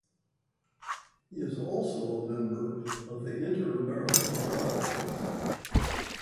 He is also a member of the Inter-American Dialogue.